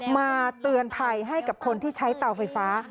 มาเตือนภัยให้กับคนที่ใช้เตาไฟฟ้า